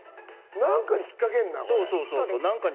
何かに引っかけるな。